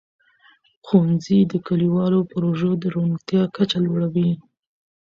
ښوونځي د کلیوالو پروژو د روڼتیا کچه لوړوي.